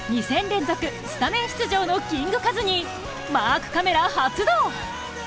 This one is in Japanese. ２戦連続スタメン出場のキングカズにマークカメラ発動。